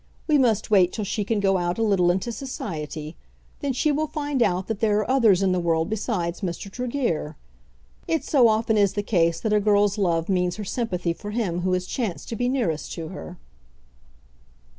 We must wait till she can go out a little into society. Then she will find out that there are others in the world besides Mr. Tregear. It so often is the case that a girl's love means her sympathy for him who has chanced to be nearest to her."